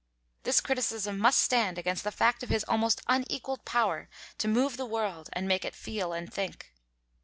This criticism must stand against the fact of his almost unequaled power to move the world and make it feel and think.